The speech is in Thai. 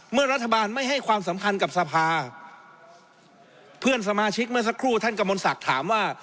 เมื่อรัฐบาลไม่ให้ความสำคัญกับสภาเพื่อนสมาชิกเมื่อสักครู่ท่านกระมวลศักดิ์ถามว่า